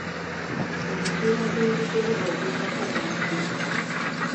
Omupiira gw'ebigere oguddako gwa ddi?